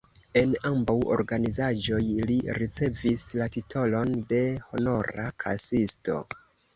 En ambaŭ organizaĵoj li ricevis la titolon de Honora Kasisto.